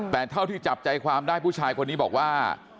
แต่เท่าที่จับใจความได้ผู้ชายคนนี้บอกว่า